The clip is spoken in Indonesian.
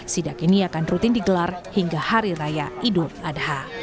sidak ini akan rutin digelar hingga hari raya idul adha